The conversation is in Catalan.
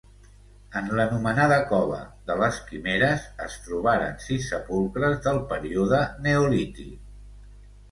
En l'anomenada cova de les Quimeres es trobaren sis sepulcres del període neolític.